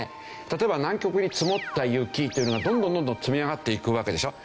例えば南極に積もった雪というのがどんどんどんどん積み上がっていくわけでしょ。